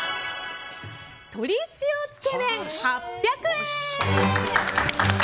鶏塩つけ麺、８００円。